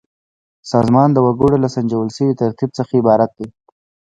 سازمان د وګړو له سنجول شوي ترتیب څخه عبارت دی.